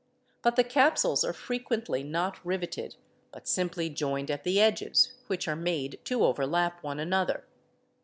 But the capsules" are frequently not riveted but simply joined at the edges, which are made to overlap one another.